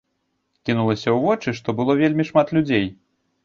Кінулася ў вочы, што было вельмі шмат людзей.